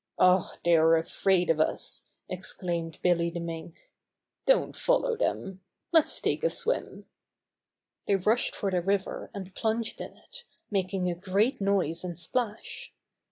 "Oh, they're afraid of us!" exclaimed Billy the Mink. "Don't follow them. Let's take a swim!" They rushed for the river and plunged in it, making a great noise and splash.